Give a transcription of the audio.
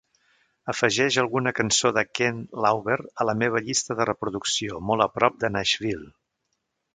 Afegeix alguna cançó de ken lauber a la meva llista de reproducció molt a prop de nashville